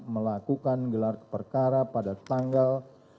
melakukan gelar perkara pada tanggal